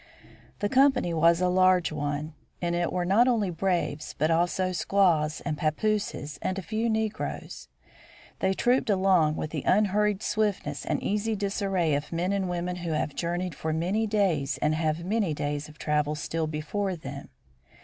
The company was a large one. In it were not only braves, but also squaws and pappooses, and a few negroes. They trooped along with the unhurried swiftness and easy disarray of men and women who have journeyed for many days and have many days of travel still before them.